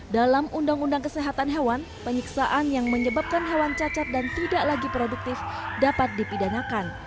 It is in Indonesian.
dalam undang undang kesehatan hewan penyiksaan yang menyebabkan hewan cacat dan tidak lagi produktif dapat dipidanakan